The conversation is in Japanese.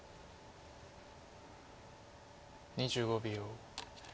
２５秒。